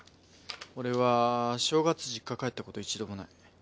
俺は正月実家帰ったこと一度もない。